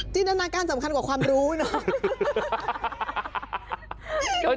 จินตนาการสำคัญกว่าความรู้เนอะ